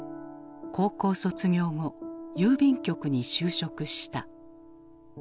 高校卒業後郵便局に就職した。